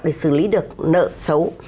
để xử lý được nợ xấu